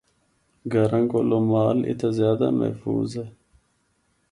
گھروں کولو مال اِتھا زیادہ محفوظ ہے۔